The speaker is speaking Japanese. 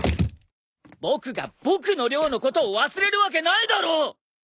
僕が僕の寮のことを忘れるわけないだろ！